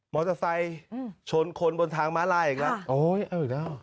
มอเตอร์ไซด์ชนคนบนทางม้าลายอีกแล้ว